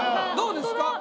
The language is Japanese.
どうですか？